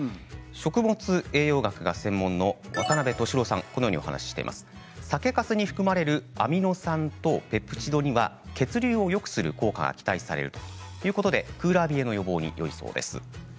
食物栄養学が専門の渡辺敏郎さんは酒かすに含まれるアミノ酸とペプチドには血流をよくする効果が期待されてクーラー冷えの予防によいそうです。